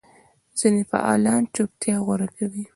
ځینې فعالان چوپتیا غوره کوي.